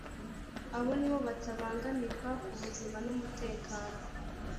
abo nibo batabangamirwa ku buzima n umutekano